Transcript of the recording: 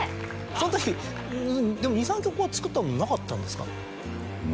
その時でも２３曲は作ったものなかったんですか？